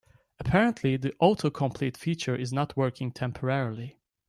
Apparently, the autocomplete feature is not working temporarily.